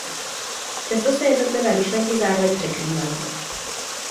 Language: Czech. Často se jednotlivé myšlenky zároveň překrývají.